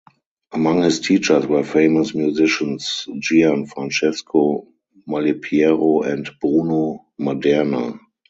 Among his teachers were famous musicians Gian Francesco Malipiero and Bruno Maderna.